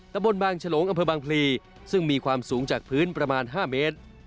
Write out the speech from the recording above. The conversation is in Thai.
ตะบนบางฉลงอำเภอบางพลีซึ่งมีความสูงจากพื้นประมาณ๕เมตร